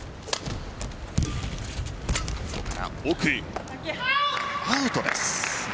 奥、アウトです。